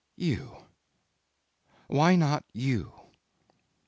You! Why not you?"